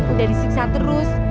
udah disiksa terus